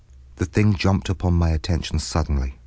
The thing jumped upon my attention suddenly.